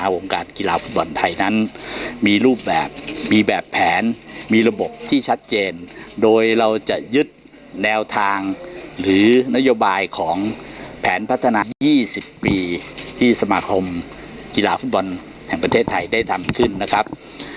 วงการกีฬาฟุตบอลไทยนั้นมีรูปแบบมีแบบแผนมีระบบที่ชัดเจนโดยเราจะยึดแนวทางหรือนโยบายของแผนพัฒนา๒๐ปีที่สมาคมกีฬาฟุตบอลแห่งประเทศไทยได้ทำขึ้นนะครับ